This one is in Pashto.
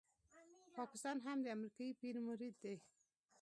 پاکستان هم د امریکایي پیر مرید دی.